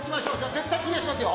絶対クリアしますよ。